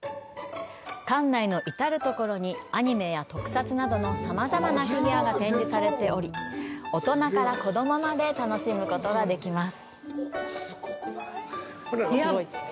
館内の至るところに、アニメや特撮などのさまざまなフィギュアが展示されており、大人から子供まで楽しむことができます。